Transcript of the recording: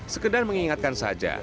sekedar mengingatkan saja